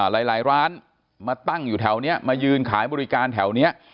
หลายร้านมาตั้งอยู่แถวนี้มายืนขายบริการแถวนี้